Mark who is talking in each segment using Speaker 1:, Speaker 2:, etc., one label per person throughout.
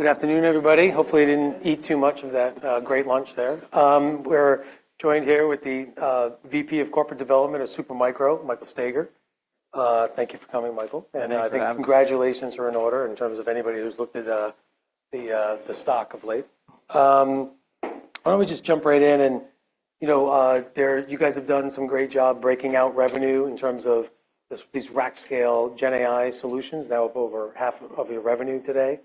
Speaker 1: Good afternoon, everybody. Hopefully you didn't eat too much of that great lunch there. We're joined here with the VP of Corporate Development of Supermicro, Michael Staiger. Thank you for coming, Michael. I think congratulations are in order in terms of anybody who's looked at the stock of late. Why don't we just jump right in? You guys have done some great job breaking out revenue in terms of these rack-scale Gen AI solutions. Now up over half of your revenue today.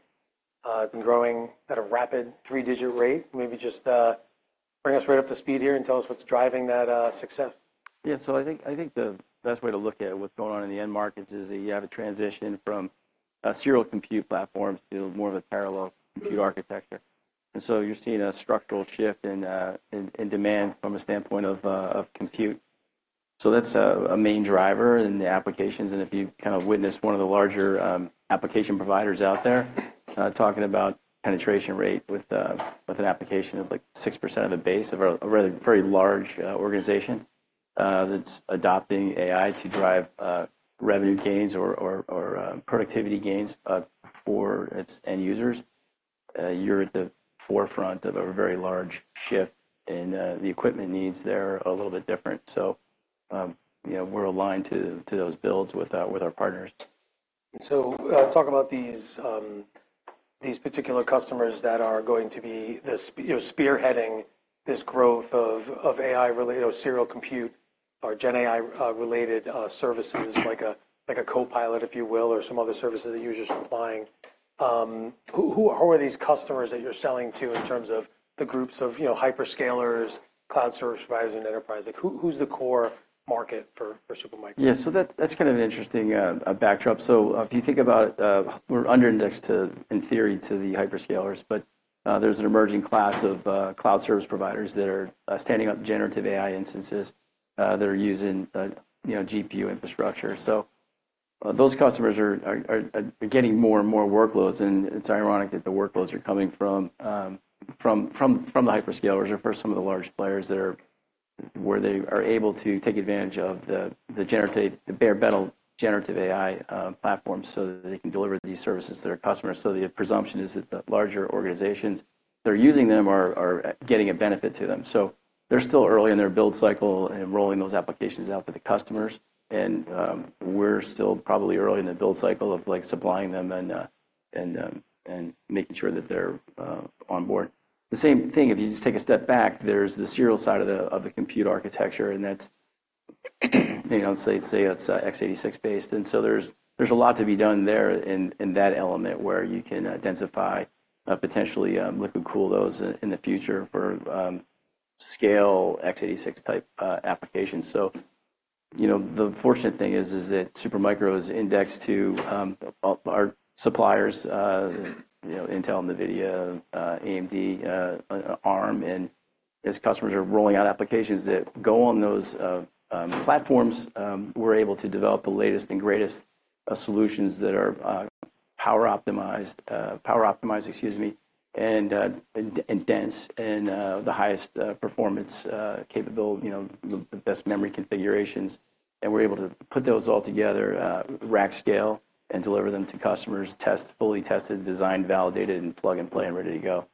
Speaker 1: It's been growing at a rapid three-digit rate. Maybe just bring us right up to speed here and tell us what's driving that success.
Speaker 2: Yeah. So I think the best way to look at what's going on in the end markets is that you have a transition from serial compute platforms to more of a parallel compute architecture. And so you're seeing a structural shift in demand from a standpoint of compute. So that's a main driver in the applications. And if you've kind of witnessed one of the larger application providers out there talking about penetration rate with an application of like 6% of the base of a very large organization that's adopting AI to drive revenue gains or productivity gains for its end users, you're at the forefront of a very large shift. And the equipment needs there are a little bit different. So we're aligned to those builds with our partners.
Speaker 1: Talk about these particular customers that are going to be spearheading this growth of AI-related serial compute or Gen AI-related services like a Copilot, if you will, or some other services that you're just applying. Who are these customers that you're selling to in terms of the groups of hyperscalers, cloud service providers, and enterprise? Who's the core market for Supermicro?
Speaker 2: Yeah. So that's kind of an interesting backdrop. So if you think about it, we're under indexed, in theory, to the hyperscalers. But there's an emerging class of cloud service providers that are standing up generative AI instances that are using GPU infrastructure. So those customers are getting more and more workloads. And it's ironic that the workloads are coming from the hyperscalers or from some of the large players where they are able to take advantage of the bare-metal generative AI platforms so that they can deliver these services to their customers. So the presumption is that the larger organizations that are using them are getting a benefit to them. So they're still early in their build cycle in rolling those applications out to the customers. And we're still probably early in the build cycle of supplying them and making sure that they're on board. The same thing, if you just take a step back, there's the serial side of the compute architecture. And let's say it's x86-based. And so there's a lot to be done there in that element where you can densify, potentially liquid-cool those in the future for scale x86-type applications. So the fortunate thing is that Supermicro is indexed to our suppliers, Intel and NVIDIA, AMD, Arm. And as customers are rolling out applications that go on those platforms, we're able to develop the latest and greatest solutions that are power-optimized, power-optimized, excuse me, and dense and the highest performance capability, the best memory configurations. And we're able to put those all together rack-scale and deliver them to customers, fully tested, designed, validated, and plug-and-play and ready to go.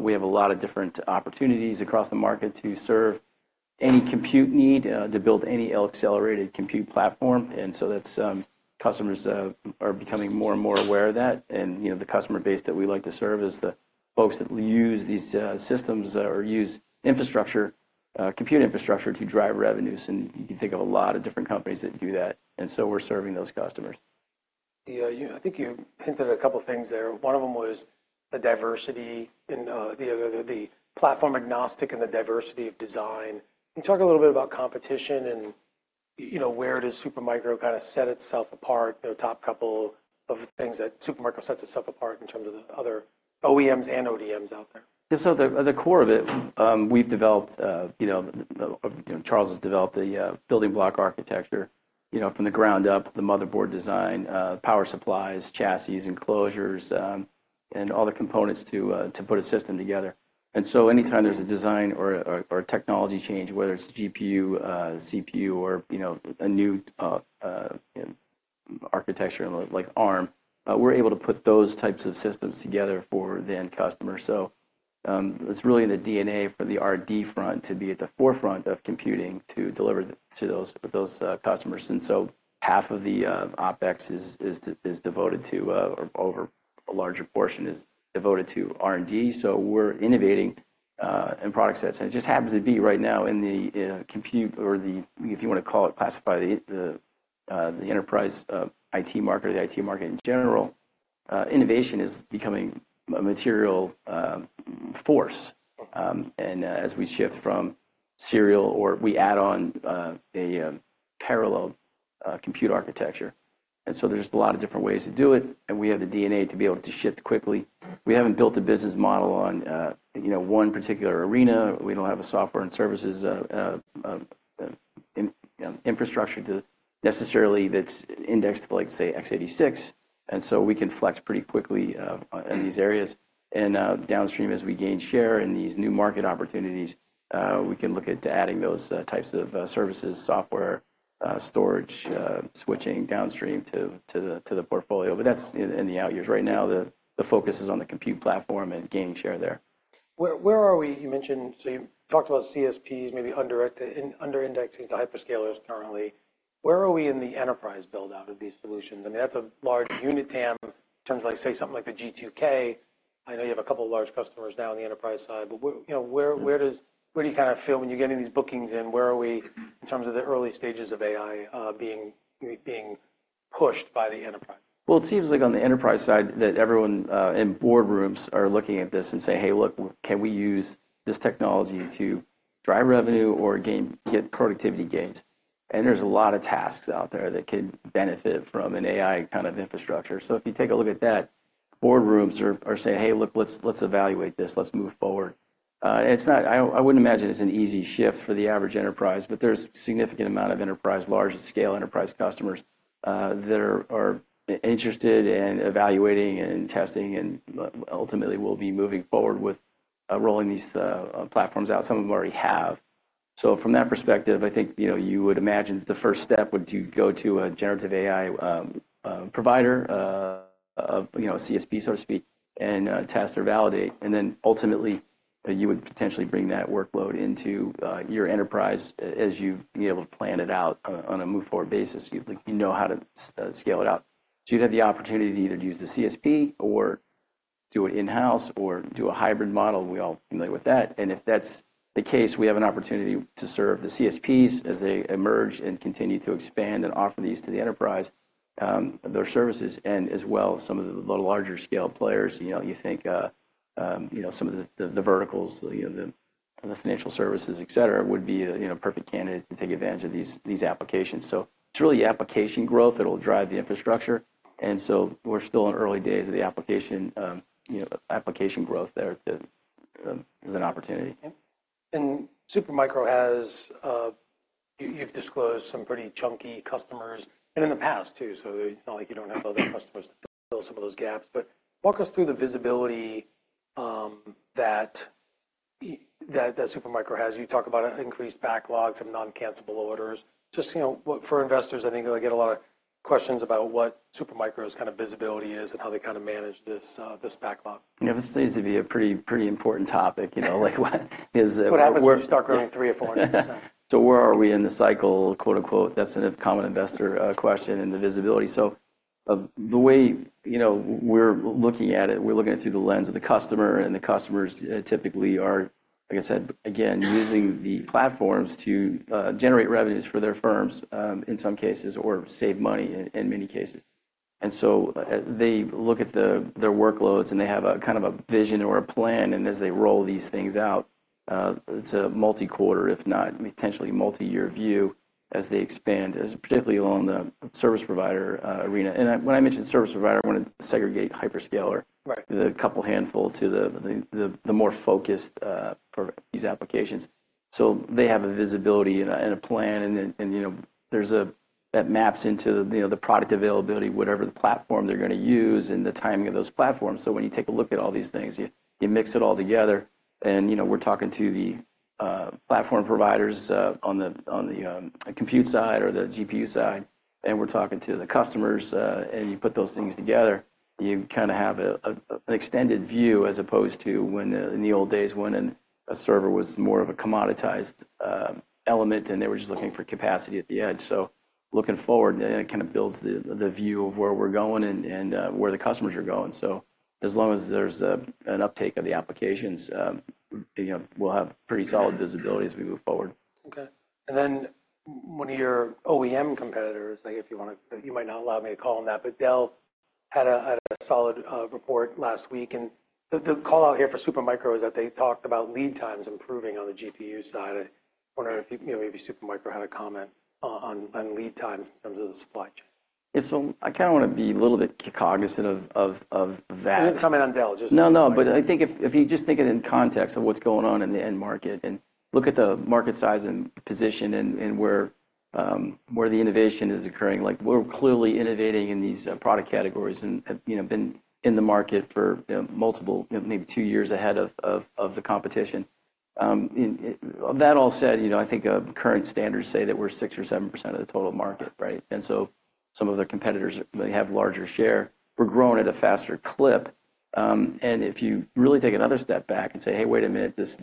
Speaker 2: We have a lot of different opportunities across the market to serve any compute need, to build any accelerated compute platform. Customers are becoming more and more aware of that. The customer base that we like to serve is the folks that use these systems or use compute infrastructure to drive revenues. You can think of a lot of different companies that do that. We're serving those customers.
Speaker 1: Yeah. I think you hinted at a couple of things there. One of them was the platform-agnostic and the diversity of design. Can you talk a little bit about competition and where does Supermicro kind of set itself apart, top couple of things that Supermicro sets itself apart in terms of the other OEMs and ODMs out there?
Speaker 2: Yeah. So at the core of it, Charles has developed the building block architecture from the ground up, the motherboard design, power supplies, chassis, enclosures, and all the components to put a system together. And so anytime there's a design or a technology change, whether it's GPU, CPU, or a new architecture like Arm, we're able to put those types of systems together for the end customer. So it's really in the DNA for the R&D front to be at the forefront of computing to deliver to those customers. And so half of the OpEx is devoted to or over a larger portion is devoted to R&D. So we're innovating in product sets. And it just happens to be right now in the compute or if you want to call it, classify the enterprise IT market or the IT market in general, innovation is becoming a material force. As we shift from serial or we add on a parallel compute architecture. So there's just a lot of different ways to do it. We have the DNA to be able to shift quickly. We haven't built a business model on one particular arena. We don't have a software and services infrastructure necessarily that's indexed to, say, x86. So we can flex pretty quickly in these areas. Downstream, as we gain share in these new market opportunities, we can look at adding those types of services, software, storage, switching downstream to the portfolio. But that's in the out years. Right now, the focus is on the compute platform and gaining share there.
Speaker 1: Where are we? So you talked about CSPs, maybe underindexing to hyperscalers currently. Where are we in the enterprise build-out of these solutions? I mean, that's a large unit TAM in terms of, say, something like the G2K. I know you have a couple of large customers now on the enterprise side. But where do you kind of feel when you're getting these bookings in, where are we in terms of the early stages of AI being pushed by the enterprise?
Speaker 2: Well, it seems like on the enterprise side that everyone in boardrooms are looking at this and saying, "Hey, look, can we use this technology to drive revenue or get productivity gains?" And there's a lot of tasks out there that could benefit from an AI kind of infrastructure. So if you take a look at that, boardrooms are saying, "Hey, look, let's evaluate this. Let's move forward." And I wouldn't imagine it's an easy shift for the average enterprise. But there's a significant amount of large-scale enterprise customers that are interested in evaluating and testing and ultimately will be moving forward with rolling these platforms out. Some of them already have. So from that perspective, I think you would imagine that the first step would be to go to a generative AI provider, a CSP, so to speak, and test or validate. And then ultimately, you would potentially bring that workload into your enterprise as you'd be able to plan it out on a move-forward basis. You'd know how to scale it out. So you'd have the opportunity to either use the CSP or do it in-house or do a hybrid model. We're all familiar with that. And if that's the case, we have an opportunity to serve the CSPs as they emerge and continue to expand and offer these to the enterprise, their services, and as well some of the larger-scale players. You think some of the verticals, the financial services, etc., would be a perfect candidate to take advantage of these applications. So it's really application growth that will drive the infrastructure. And so we're still in early days of the application growth there as an opportunity.
Speaker 1: Supermicro has, you've disclosed some pretty chunky customers and in the past, too. It's not like you don't have other customers to fill some of those gaps. Walk us through the visibility that Supermicro has. You talk about increased backlogs of non-cancelable orders. Just for investors, I think they'll get a lot of questions about what Supermicro's kind of visibility is and how they kind of manage this backlog.
Speaker 2: Yeah. This seems to be a pretty important topic.
Speaker 1: What happens if you start growing 3% or 400%?
Speaker 2: So where are we in the cycle?" That's a common investor question in the visibility. So the way we're looking at it, we're looking at it through the lens of the customer. And the customers typically are, like I said, again, using the platforms to generate revenues for their firms in some cases or save money in many cases. And so they look at their workloads. And they have kind of a vision or a plan. And as they roll these things out, it's a multi-quarter, if not potentially multi-year view as they expand, particularly along the service provider arena. And when I mentioned service provider, I want to segregate hyperscaler, the couple handful, to the more focused these applications. So they have a visibility and a plan. And then that maps into the product availability, whatever the platform they're going to use, and the timing of those platforms. When you take a look at all these things, you mix it all together. We're talking to the platform providers on the compute side or the GPU side. We're talking to the customers. You put those things together, you kind of have an extended view as opposed to in the old days when a server was more of a commoditized element. They were just looking for capacity at the edge. Looking forward, it kind of builds the view of where we're going and where the customers are going. As long as there's an uptake of the applications, we'll have pretty solid visibility as we move forward.
Speaker 1: Okay. And then one of your OEM competitors, if you want to, you might not allow me to call them that. But Dell had a solid report last week. And the callout here for Supermicro is that they talked about lead times improving on the GPU side. I wonder if maybe Supermicro had a comment on lead times in terms of the supply chain.
Speaker 2: Yeah. So I kind of want to be a little bit cognizant of that.
Speaker 1: Comment on Dell. Just.
Speaker 2: No, no. But I think if you just think of it in context of what's going on in the end market and look at the market size and position and where the innovation is occurring, we're clearly innovating in these product categories and have been in the market for multiple, maybe two years ahead of the competition. That all said, I think current standards say that we're 6% or 7% of the total market, right? And so some of their competitors may have larger share. We're growing at a faster clip. And if you really take another step back and say, "Hey, wait a minute. This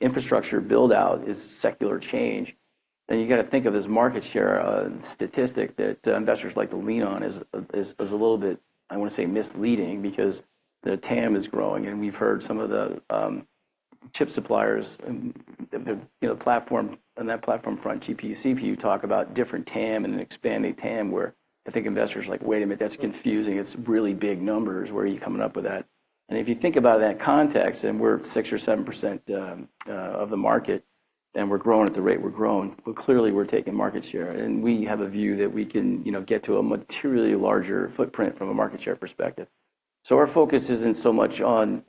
Speaker 2: infrastructure build-out is secular change," then you've got to think of this market share statistic that investors like to lean on as a little bit, I want to say, misleading because the TAM is growing. We've heard some of the chip suppliers on that platform front, GPU, CPU, talk about different TAM and an expanding TAM where I think investors are like, "Wait a minute. That's confusing. It's really big numbers. Where are you coming up with that?" And if you think about that context and we're 6%-7% of the market and we're growing at the rate we're growing, well, clearly, we're taking market share. And we have a view that we can get to a materially larger footprint from a market share perspective. So our focus isn't so much on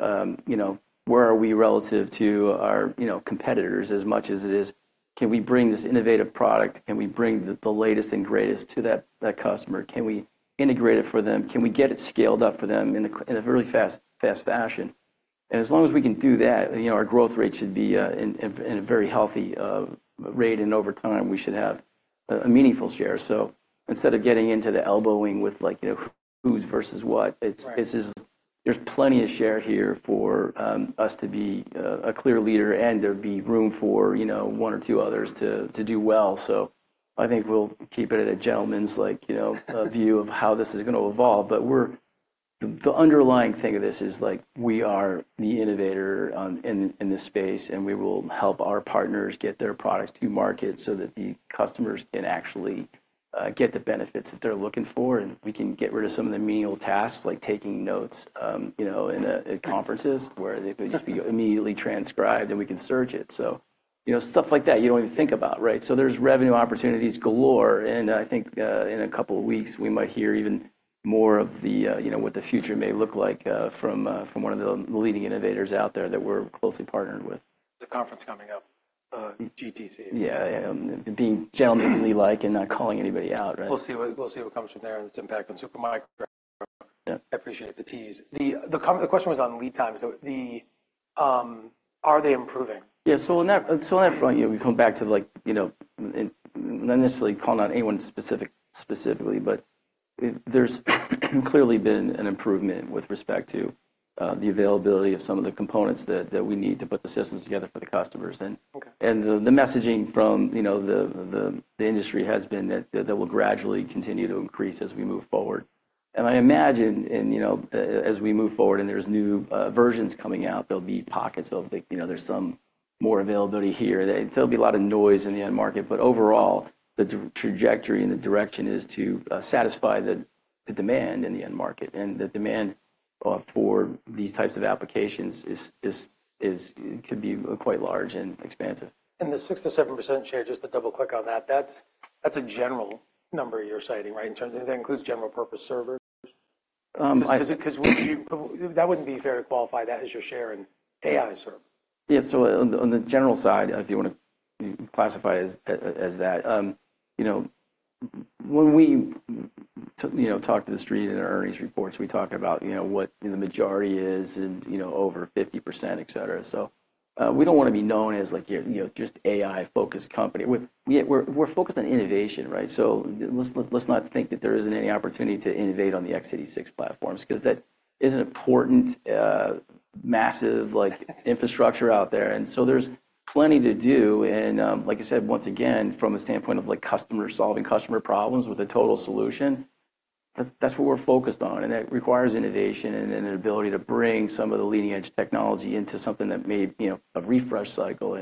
Speaker 2: where are we relative to our competitors as much as it is, can we bring this innovative product? Can we bring the latest and greatest to that customer? Can we integrate it for them? Can we get it scaled up for them in a really fast fashion? As long as we can do that, our growth rate should be in a very healthy rate. And over time, we should have a meaningful share. So instead of getting into the elbowing with whose versus what, there's plenty of share here for us to be a clear leader. And there'd be room for one or two others to do well. So I think we'll keep it at a gentleman's view of how this is going to evolve. But the underlying thing of this is we are the innovator in this space. And we will help our partners get their products to market so that the customers can actually get the benefits that they're looking for. And we can get rid of some of the menial tasks like taking notes in conferences where they could just be immediately transcribed. And we can search it. So stuff like that, you don't even think about, right? So there's revenue opportunities galore. And I think in a couple of weeks, we might hear even more of what the future may look like from one of the leading innovators out there that we're closely partnered with.
Speaker 1: The conference coming up, GTC.
Speaker 2: Yeah. Being gentlemanly-like and not calling anybody out, right?
Speaker 1: We'll see what comes from there and its impact on Supermicro. I appreciate the tease. The question was on lead times. So are they improving?
Speaker 2: Yeah. So on that front, we come back to not necessarily calling out anyone specifically. But there's clearly been an improvement with respect to the availability of some of the components that we need to put the systems together for the customers. And the messaging from the industry has been that they will gradually continue to increase as we move forward. And I imagine as we move forward and there's new versions coming out, there'll be pockets of there's some more availability here. So there'll be a lot of noise in the end market. But overall, the trajectory and the direction is to satisfy the demand in the end market. And the demand for these types of applications could be quite large and expansive.
Speaker 1: The 6%-7% share, just to double-click on that, that's a general number you're citing, right, in terms of that includes general-purpose servers? Because that wouldn't be fair to qualify that as your share in AI servers.
Speaker 2: Yeah. So on the general side, if you want to classify it as that, when we talk to the street in our earnings reports, we talk about what the majority is and over 50%, etc. So we don't want to be known as just an AI-focused company. We're focused on innovation, right? So let's not think that there isn't any opportunity to innovate on the x86 platforms because that is an important massive infrastructure out there. And so there's plenty to do. And like I said, once again, from a standpoint of solving customer problems with a total solution, that's what we're focused on. And that requires innovation and an ability to bring some of the leading-edge technology into something that may be a refresh cycle.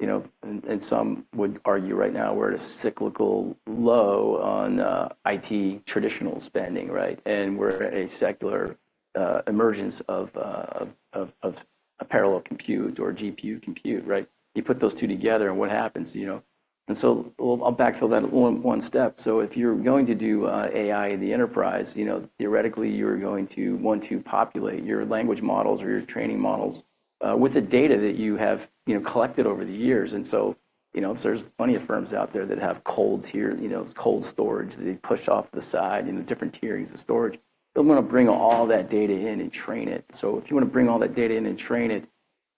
Speaker 2: And some would argue right now, we're at a cyclical low on IT traditional spending, right? And we're at a secular emergence of parallel compute or GPU compute, right? You put those two together. And what happens? And so I'll backfill that one step. So if you're going to do AI in the enterprise, theoretically, you're going to want to populate your language models or your training models with the data that you have collected over the years. And so there's plenty of firms out there that have cold storage that they push off the side, different tierings of storage. They'll want to bring all that data in and train it. So if you want to bring all that data in and train it,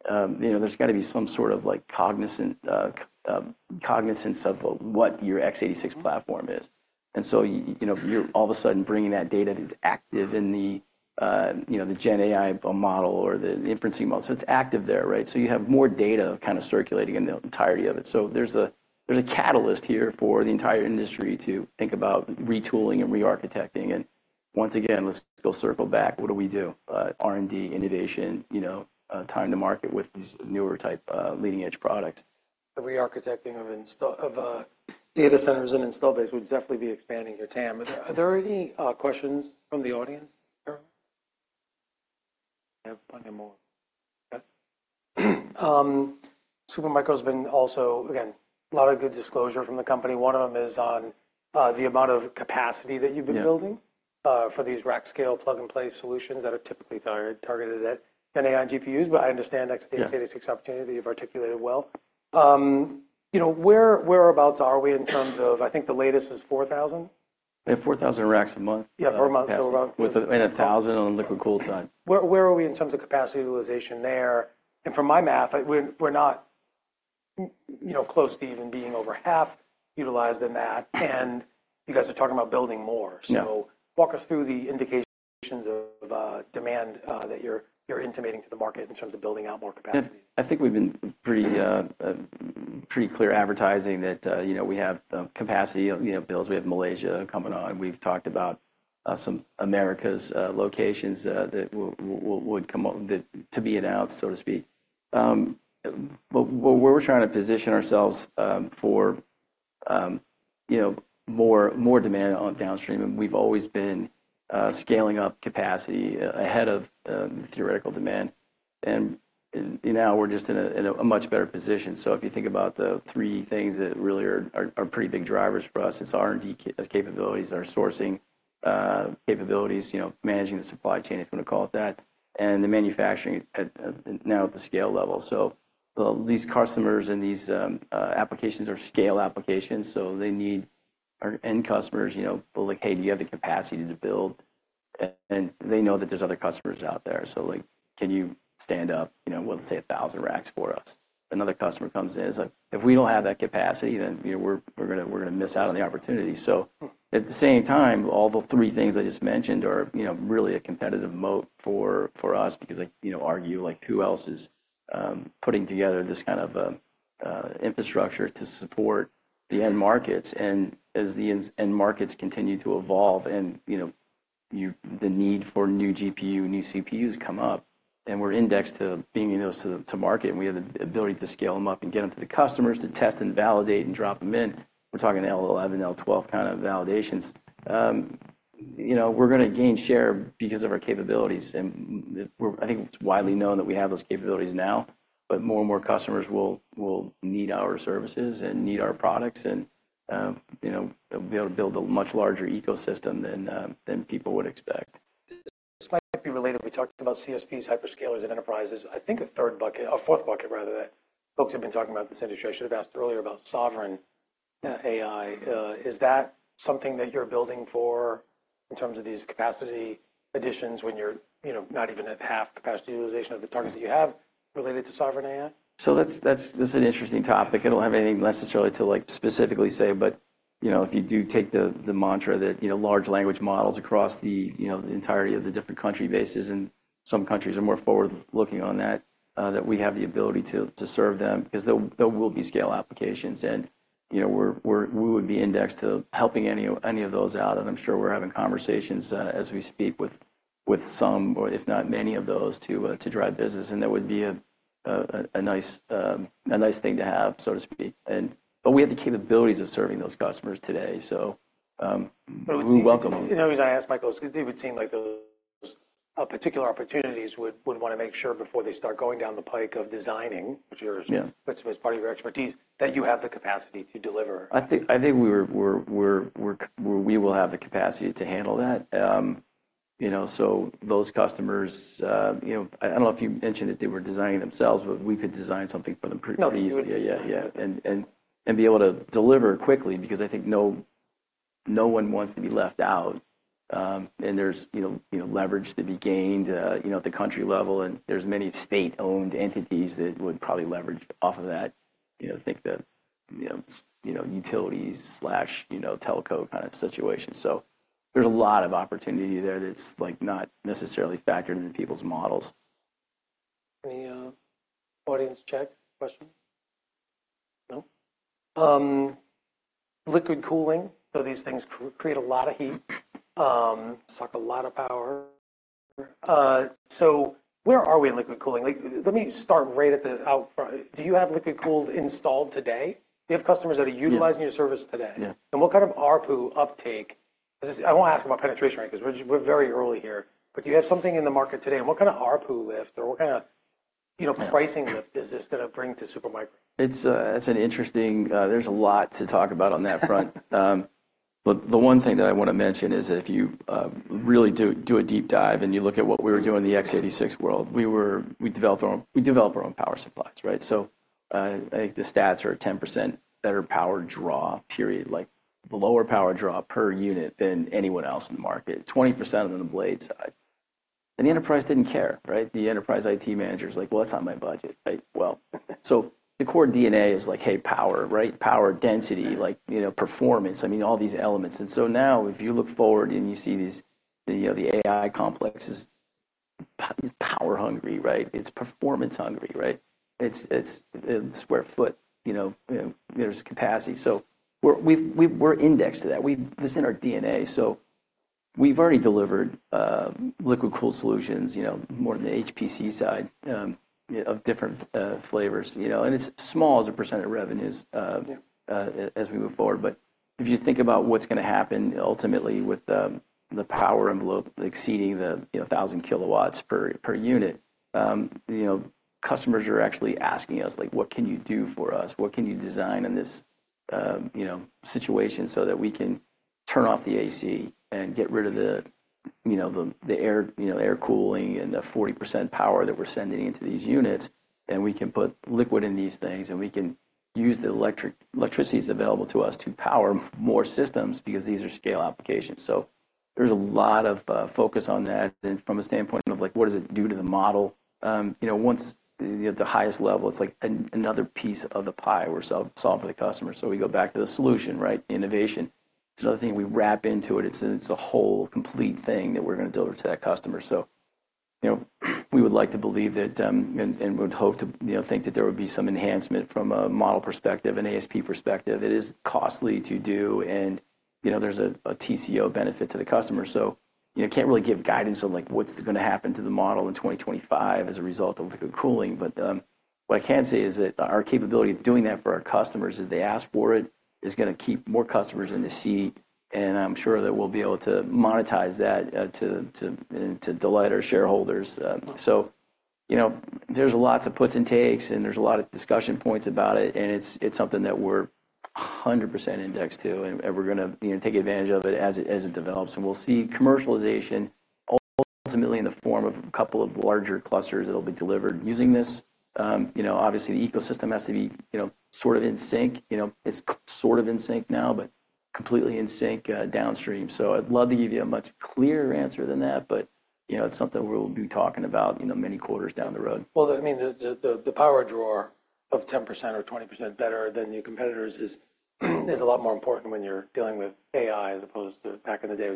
Speaker 2: there's got to be some sort of cognizance of what your x86 platform is. And so you're all of a sudden bringing that data that's active in the GenAI model or the inferencing model. So it's active there, right? So you have more data kind of circulating in the entirety of it. So there's a catalyst here for the entire industry to think about retooling and re-architecting. And once again, let's go circle back. What do we do? R&D, innovation, time to market with these newer-type leading-edge products.
Speaker 1: The re-architecting of data centers and install bases would definitely be expanding your TAM. Are there any questions from the audience, Carol? We have plenty more. Supermicro has been also, again, a lot of good disclosure from the company. One of them is on the amount of capacity that you've been building for these rack-scale, plug-and-play solutions that are typically targeted at Gen AI and GPUs. But I understand next to the x86 opportunity, that you've articulated well. Whereabouts are we in terms of I think the latest is 4,000?
Speaker 2: Yeah. 4,000 racks a month.
Speaker 1: Yeah. Per month. So about.
Speaker 2: 1,000 on the liquid-cooled side.
Speaker 1: Where are we in terms of capacity utilization there? And from my math, we're not close to even being over half utilized in that. And you guys are talking about building more. So walk us through the indications of demand that you're intimating to the market in terms of building out more capacity.
Speaker 2: I think we've been pretty clear advertising that we have capacity bills. We have Malaysia coming on. We've talked about some of Americas locations that would come to be announced, so to speak. But where we're trying to position ourselves for more demand downstream, we've always been scaling up capacity ahead of the theoretical demand. And now, we're just in a much better position. So if you think about the three things that really are pretty big drivers for us, it's R&D capabilities, our sourcing capabilities, managing the supply chain, if you want to call it that, and the manufacturing now at the scale level. So these customers and these applications are scale applications. So they need our end customers will be like, "Hey, do you have the capacity to build?" And they know that there's other customers out there. So can you stand up, let's say, 1,000 racks for us? Another customer comes in. It's like, "If we don't have that capacity, then we're going to miss out on the opportunity." So at the same time, all the three things I just mentioned are really a competitive moat for us because I argue who else is putting together this kind of infrastructure to support the end markets? And as the end markets continue to evolve and the need for new GPU, new CPUs come up, and we're indexed to being able to market, and we have the ability to scale them up and get them to the customers to test and validate and drop them in, we're talking L11, L12 kind of validations. We're going to gain share because of our capabilities. And I think it's widely known that we have those capabilities now. More and more customers will need our services and need our products. They'll be able to build a much larger ecosystem than people would expect.
Speaker 1: This might be related. We talked about CSPs, hyperscalers, and enterprises. I think a third bucket or fourth bucket, rather, that folks have been talking about in this industry. I should have asked earlier about sovereign AI. Is that something that you're building for in terms of these capacity additions when you're not even at half capacity utilization of the targets that you have related to sovereign AI?
Speaker 2: So this is an interesting topic. It don't have anything necessarily to specifically say. But if you do take the mantra that large language models across the entirety of the different country bases - and some countries are more forward-looking on that - that we have the ability to serve them because there will be scale applications. And we would be indexed to helping any of those out. And I'm sure we're having conversations as we speak with some, or if not many, of those to drive business. And that would be a nice thing to have, so to speak. But we have the capabilities of serving those customers today. So we welcome them.
Speaker 1: The only reason I asked, Michael, is because it would seem like those particular opportunities would want to make sure before they start going down the pike of designing, which is part of your expertise, that you have the capacity to deliver.
Speaker 2: I think we will have the capacity to handle that. So those customers I don't know if you mentioned that they were designing themselves. But we could design something for them pretty easily.
Speaker 1: Pretty easily.
Speaker 2: Yeah, yeah, yeah. And be able to deliver quickly because I think no one wants to be left out. And there's leverage to be gained at the country level. And there's many state-owned entities that would probably leverage off of that, think the utilities, telco kind of situation. So there's a lot of opportunity there that's not necessarily factored into people's models.
Speaker 1: Any audience questions? No? Liquid cooling. So these things create a lot of heat, suck a lot of power. So where are we in liquid cooling? Let me start right up front. Do you have liquid-cooled installed today? Do you have customers that are utilizing your service today? And what kind of ARPU uptake? I won't ask about penetration rate because we're very early here. But do you have something in the market today? And what kind of ARPU lift or what kind of pricing lift is this going to bring to Super Micro?
Speaker 2: That's interesting. There's a lot to talk about on that front. But the one thing that I want to mention is that if you really do a deep dive and you look at what we were doing in the x86 world, we develop our own power supplies, right? So I think the stats are a 10% better power draw, period, the lower power draw per unit than anyone else in the market, 20% on the blade side. And the enterprise didn't care, right? The enterprise IT manager's like, "Well, that's not my budget," right? Well, so the core DNA is like, "Hey, power," right? Power density, performance, I mean, all these elements. And so now, if you look forward and you see the AI complex is power-hungry, right? It's performance-hungry, right? It's square foot. There's capacity. So we're indexed to that. This is in our DNA. So we've already delivered liquid-cooled solutions more than the HPC side of different flavors. And it's small as a % of revenues as we move forward. But if you think about what's going to happen ultimately with the power envelope exceeding the 1,000 kW per unit, customers are actually asking us, "What can you do for us? What can you design in this situation so that we can turn off the AC and get rid of the air cooling and the 40% power that we're sending into these units? And we can put liquid in these things. And we can use the electricity that's available to us to power more systems because these are scale applications." So there's a lot of focus on that. And from a standpoint of what does it do to the model? Once you get to the highest level, it's another piece of the pie we're solving for the customer. So we go back to the solution, right, innovation. It's another thing we wrap into it. It's a whole complete thing that we're going to deliver to that customer. So we would like to believe that and would hope to think that there would be some enhancement from a model perspective, an ASP perspective. It is costly to do. And there's a TCO benefit to the customer. So I can't really give guidance on what's going to happen to the model in 2025 as a result of liquid-cooling. But what I can say is that our capability of doing that for our customers as they ask for it is going to keep more customers in the seat. And I'm sure that we'll be able to monetize that to delight our shareholders. There's lots of puts and takes. There's a lot of discussion points about it. It's something that we're 100% indexed to. We're going to take advantage of it as it develops. We'll see commercialization ultimately in the form of a couple of larger clusters that'll be delivered using this. Obviously, the ecosystem has to be sort of in sync. It's sort of in sync now but completely in sync downstream. I'd love to give you a much clearer answer than that. It's something we'll be talking about many quarters down the road.
Speaker 1: Well, I mean, the power draw of 10% or 20% better than your competitors is a lot more important when you're dealing with AI as opposed to back in the day.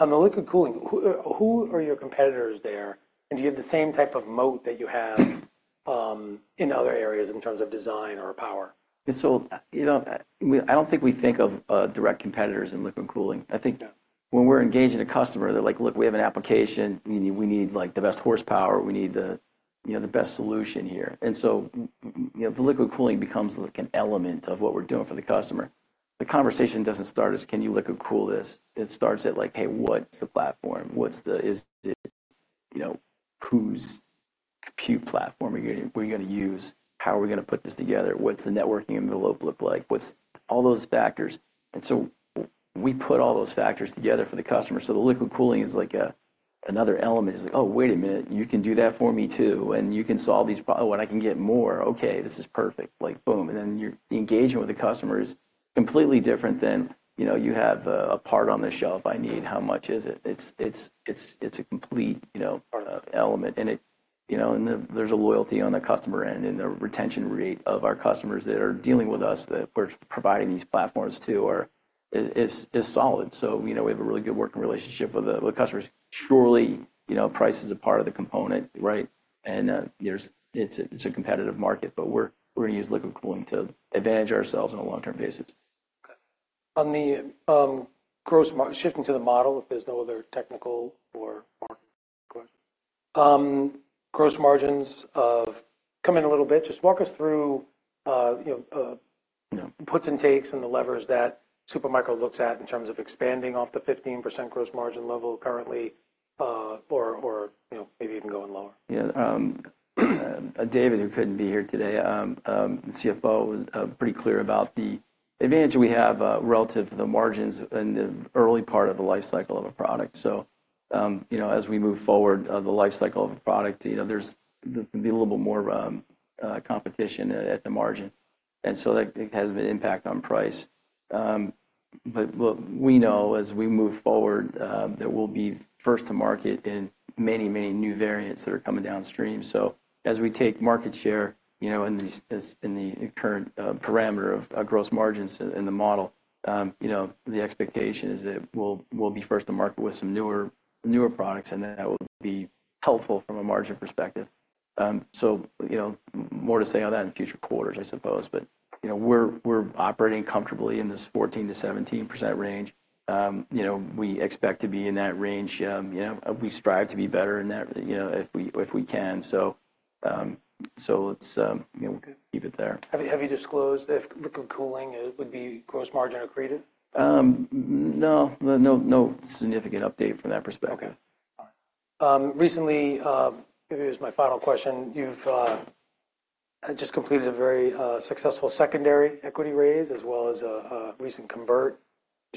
Speaker 1: On the liquid-cooling, who are your competitors there? And do you have the same type of moat that you have in other areas in terms of design or power?
Speaker 2: So I don't think we think of direct competitors in liquid-cooling. I think when we're engaging a customer, they're like, "Look, we have an application. We need the best horsepower. We need the best solution here." And so the liquid-cooling becomes an element of what we're doing for the customer. The conversation doesn't start as, "Can you liquid-cool this?" It starts at, "Hey, what's the platform? Is it whose compute platform we're going to use? How are we going to put this together? What's the networking envelope look like?" All those factors. And so we put all those factors together for the customer. So the liquid-cooling is another element. It's like, "Oh, wait a minute. You can do that for me too. And you can solve these oh, and I can get more. Okay. This is perfect." Boom. And then the engagement with the customer is completely different than you have a part on the shelf, "I need how much is it?" It's a complete element. And there's a loyalty on the customer end. And the retention rate of our customers that are dealing with us that we're providing these platforms to is solid. So we have a really good working relationship with the customers. Surely, price is a part of the component, right? And it's a competitive market. But we're going to use liquid-cooling to advantage ourselves on a long-term basis.
Speaker 1: Okay. Shifting to the model if there's no other technical or market questions. Gross margins have come in a little bit. Just walk us through the puts and takes and the levers that Super Micro looks at in terms of expanding off the 15% gross margin level currently or maybe even going lower.
Speaker 2: Yeah. David, who couldn't be here today, the CFO, was pretty clear about the advantage we have relative to the margins in the early part of the lifecycle of a product. So as we move forward, the lifecycle of a product, there's going to be a little bit more competition at the margin. And so that has an impact on price. But what we know as we move forward, there will be first-to-market in many, many new variants that are coming downstream. So as we take market share in the current parameter of gross margins in the model, the expectation is that we'll be first-to-market with some newer products. And that will be helpful from a margin perspective. So more to say on that in future quarters, I suppose. But we're operating comfortably in this 14%-17% range. We expect to be in that range. We strive to be better in that if we can. So let's keep it there.
Speaker 1: Have you disclosed if liquid-cooling would be gross margin accretive?
Speaker 2: No. No significant update from that perspective.
Speaker 1: Okay. All right. Recently, maybe it was my final question, you've just completed a very successful secondary equity raise as well as a recent convert.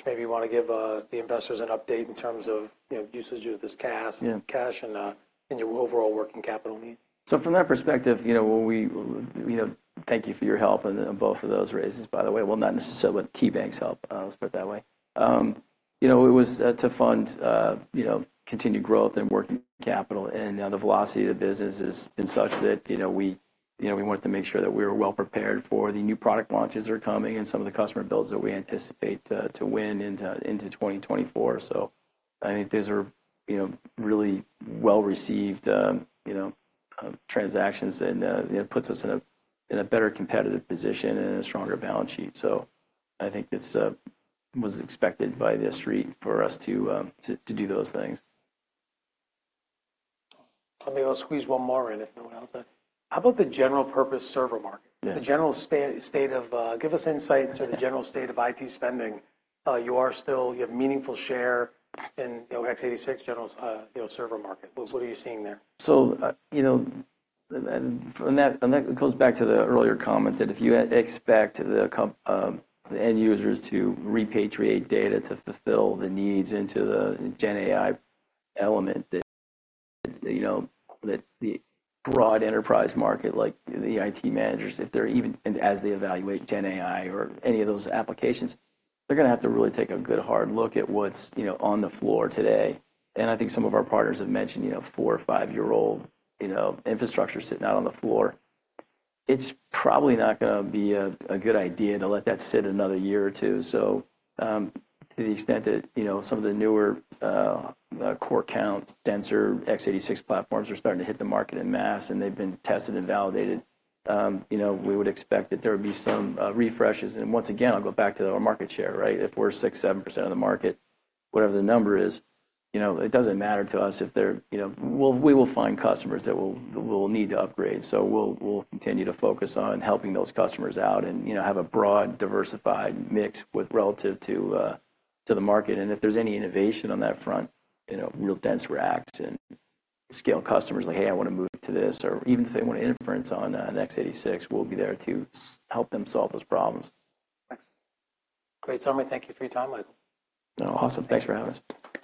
Speaker 1: Maybe you want to give the investors an update in terms of usage of this cash and your overall working capital needs.
Speaker 2: From that perspective, we thank you for your help in both of those raises, by the way. Well, not necessarily with KeyBanc's help. Let's put it that way. It was to fund continued growth and working capital. The velocity of the business has been such that we wanted to make sure that we were well-prepared for the new product launches that are coming and some of the customer builds that we anticipate to win into 2024. I think these are really well-received transactions. It puts us in a better competitive position and a stronger balance sheet. I think it was expected by the street for us to do those things.
Speaker 1: Let me squeeze one more in if no one else had. How about the general-purpose server market, the general state of give us insight into the general state of IT spending. You have meaningful share in x86 general server market. What are you seeing there?
Speaker 2: So that goes back to the earlier comment that if you expect the end users to repatriate data to fulfill the needs into the Gen AI element, that the broad enterprise market, like the IT managers, if they're even as they evaluate Gen AI or any of those applications, they're going to have to really take a good hard look at what's on the floor today. And I think some of our partners have mentioned four- or five-year-old infrastructure sitting out on the floor. It's probably not going to be a good idea to let that sit another year or two. So to the extent that some of the newer core counts, denser x86 platforms, are starting to hit the market and masse, and they've been tested and validated, we would expect that there would be some refreshes. And once again, I'll go back to our market share, right? If we're 6%-7% of the market, whatever the number is, it doesn't matter to us if there, we will find customers that will need to upgrade. So we'll continue to focus on helping those customers out and have a broad, diversified mix relative to the market. And if there's any innovation on that front, real dense racks and scale customers like, "Hey, I want to move to this," or even if they want to inference on an x86, we'll be there to help them solve those problems.
Speaker 1: Great. I'm going to thank you for your time, Michael.
Speaker 2: No, awesome. Thanks for having us.